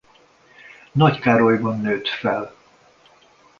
Nagykárolyban nőtt fel.